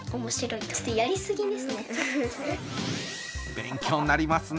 勉強になりますね。